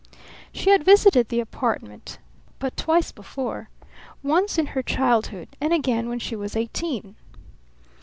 She had visited the apartment but twice before, once in her childhood and again when she was eighteen.